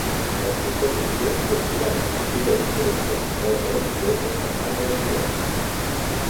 Les competicions sortiren a partir de diferents festivals religiosos en àrees diverses.